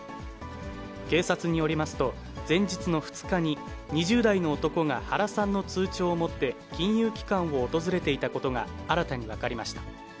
警察によりますと、前日の２日に２０代の男が、原さんの通帳を持って金融機関を訪れていたことが新たに分かりました。